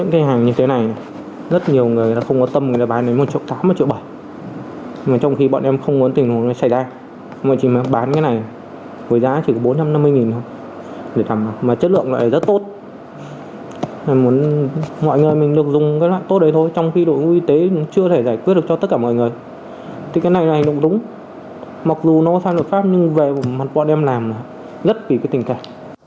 thì cái này là hành động đúng mặc dù nó sai nội pháp nhưng về mặt bọn em làm là rất kỳ cái tình cảm